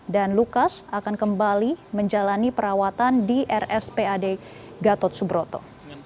dan lukas akan kembali menjalani perawatan di rs pad gatot subroto